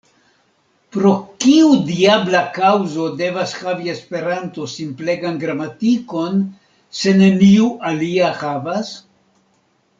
Pro kiu diabla kaŭzo devas havi Esperanto simplegan gramatikon, se neniu alia havas?